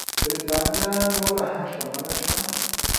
برېټانیا نوره هم شتمنه شوې وه.